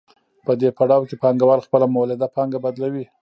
په دې پړاو کې پانګوال خپله مولده پانګه بدلوي